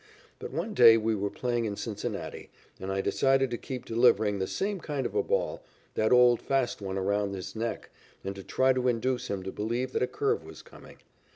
But one day we were playing in Cincinnati, and I decided to keep delivering the same kind of a ball, that old fast one around his neck, and to try to induce him to believe that a curve was coming.